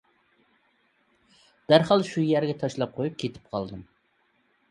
دەرھال شۇ يەرگە تاشلاپ قويۇپ كېتىپ قالدىم.